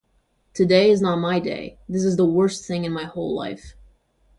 Today is not my day, this is the worst thing in my whole life.